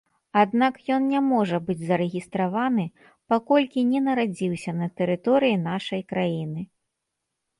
Аднак ён не можа быць зарэгістраваны, паколькі не нарадзіўся на тэрыторыі нашай краіны.